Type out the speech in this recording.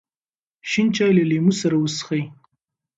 شین چای له لیمو سره وڅښئ.